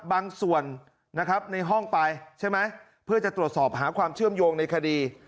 บางส่วนในห้องไปเพื่อจะตรวจสอบหาความเชื่อมโยงในคดี